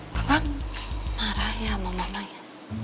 papa marah ya sama mamanya